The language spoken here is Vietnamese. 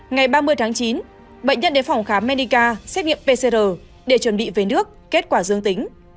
ngày ba mươi tháng chín bệnh nhân đến phòng khám menica xét nghiệm pcr để chuẩn bị về nước kết quả dương tính